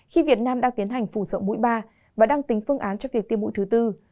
khi việt nam đang tiến hành phủ sợ mũi ba và đang tính phương án cho việc tiêm mũi thứ tư